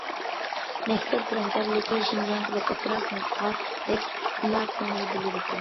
مەكتەپ رەھبەرلىكى شىنجاڭ تولۇق ئوتتۇرا سىنىپىغا بەكلا كۆڭۈل بۆلىدىكەن.